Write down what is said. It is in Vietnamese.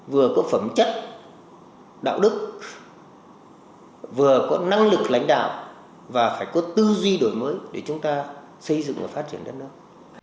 vừa có phẩm chất đạo đức vừa có năng lực lãnh đạo và phải có tư duy đổi mới để chúng ta xây dựng và phát triển đất nước